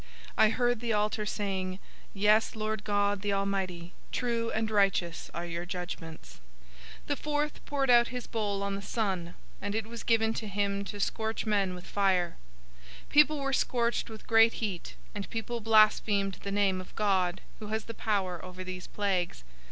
016:007 I heard the altar saying, "Yes, Lord God, the Almighty, true and righteous are your judgments." 016:008 The fourth poured out his bowl on the sun, and it was given to him to scorch men with fire. 016:009 People were scorched with great heat, and people blasphemed the name of God who has the power over these plagues.